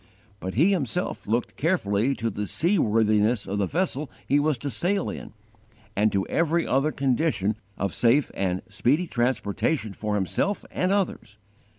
But he himself looked carefully to the seaworthiness of the vessel he was to sail in, and to every other condition of safe and speedy transportation for himself and others.